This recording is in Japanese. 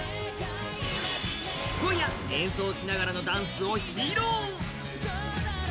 今夜演奏しながらのダンスを披露！